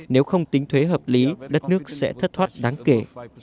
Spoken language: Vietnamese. nếu không tính thuế hợp lý đất nước sẽ thất thoát đáng kể